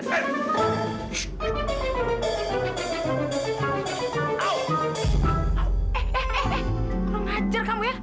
kurang ngajar kamu ya